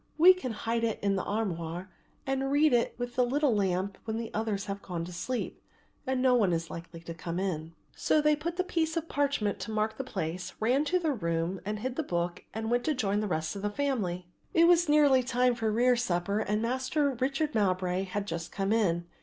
We can hide it in the armoire and read with the little lamp when the others have gone to sleep and no one is likely to come in." So they put the piece of parchment to mark the place, ran to their room and hid the book and went to join the rest of the family. It was nearly time for rere supper and Master Richard Mowbray had just come in.